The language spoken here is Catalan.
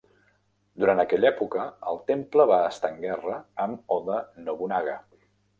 Durant aquella època el temple va estar en guerra amb Oda Nobunaga.